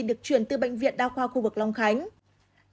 được chuyển từ bệnh viện đa khoa khu vực long khánh